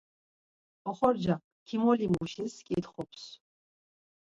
Oxorcak kimolimuşis k̆itxups.